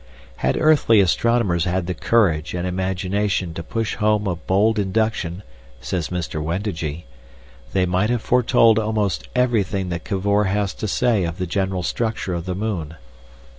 Had earthly astronomers had the courage and imagination to push home a bold induction, says Mr. Wendigee, they might have foretold almost everything that Cavor has to say of the general structure of the moon.